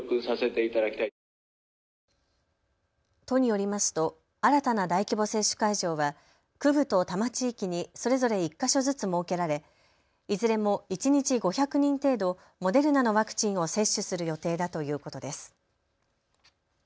都によりますと新たな大規模接種会場は区部と多摩地域にそれぞれ１か所ずつ設けられいずれも一日５００人程度、モデルナのワクチンを接種する予定だということです。